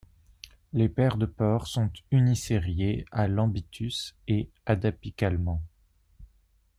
Les paires de pores sont unisériées à l'ambitus et adapicalement.